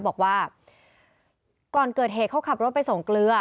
บอกว่าก่อนเกิดเหตุเขาขับรถไปส่งเกลือ